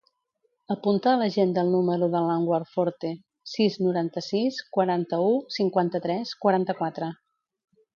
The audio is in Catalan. Apunta a l'agenda el número de l'Anwar Forte: sis, noranta-sis, quaranta-u, cinquanta-tres, quaranta-quatre.